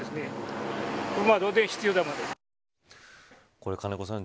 これ金子さん